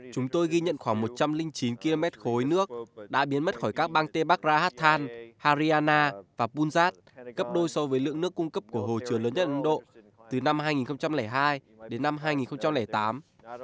chúng tôi ghi nhận khoảng một trăm linh chín km khối nước đã biến mất khỏi các bang tepac rahatan haryana và punjab cấp đôi so với lượng nước cung cấp của hồ chứa lớn nhất ấn độ từ năm hai nghìn hai đến năm hai nghìn tám